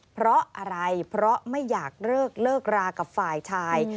เพราะอะไรเพราะไม่อยากเลิกเลิกรากับฝ่ายชาย